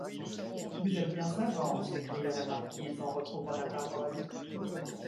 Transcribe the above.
Vous êtes bien savante, s’écria la marquise en retrouvant la parole.